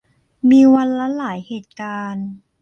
มีวันละหลายเหตุการณ์